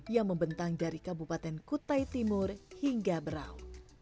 yang membentang dari kabupaten kutai timur hingga berau